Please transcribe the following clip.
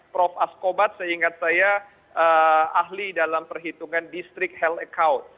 prof askobat seingat saya ahli dalam perhitungan district health account